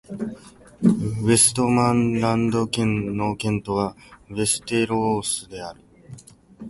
ヴェストマンランド県の県都はヴェステロースである